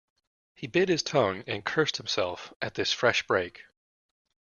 He bit his tongue, and cursed himself at this fresh break.